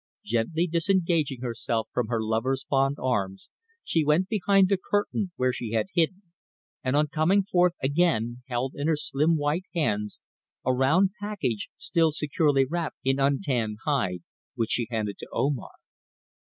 Gently disengaging herself from her lover's fond arms she went behind the curtain where she had hidden, and on coming forth again held in her slim white hands a round package still securely wrapped in untanned hide, which she handed to Omar.